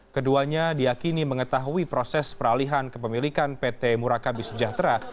keduanya diakini mengetahui proses peralihan kepemilikan pt murakabi sejahtera